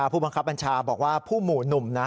ผู้บังคับบัญชาบอกว่าผู้หมู่หนุ่มนะ